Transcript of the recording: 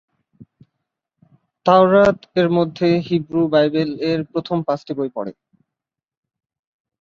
তাওরাত-এর মধ্যে হিব্রু বাইবেল-এর প্রথম পাঁচটি বই পড়ে।